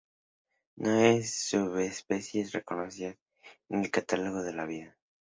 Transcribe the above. No hay subespecies reconocidas en el Catálogo de la Vida.